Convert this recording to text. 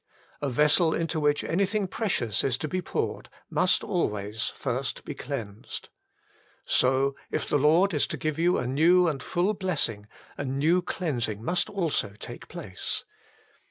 A vessel into which any thing precious is to be poured must always first be cleansed. So, if the Lord is to give you a new and full blessing, a new cleansing must also take place.